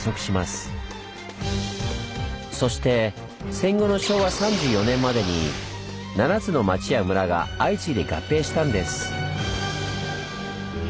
そして戦後の昭和３４年までに７つの町や村が相次いで合併したんです。